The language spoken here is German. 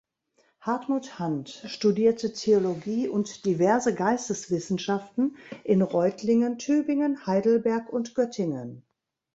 Hartmut Handt studierte Theologie und diverse Geisteswissenschaften in Reutlingen, Tübingen, Heidelberg und Göttingen.